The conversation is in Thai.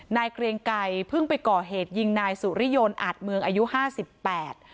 เกรียงไกรเพิ่งไปก่อเหตุยิงนายสุริยนต์อาจเมืองอายุห้าสิบแปด